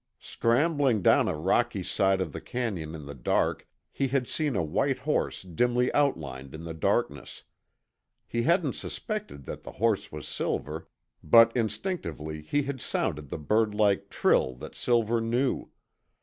Scrambling down a rocky side of the canyon in the dark, he had seen a white horse dimly outlined in the darkness. He hadn't suspected that the horse was Silver, but instinctively he had sounded the birdlike trill that Silver knew.